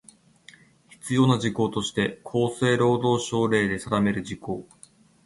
必要な事項として厚生労働省令で定める事項